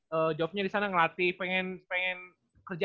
jadi jawabnya disana ngelatih pengen kerja apa sih sebenernya